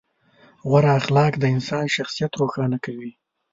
غوره اخلاق د انسان شخصیت روښانه کوي.